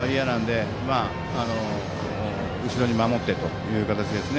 しかも長打は嫌なので後ろに守ってという形ですね。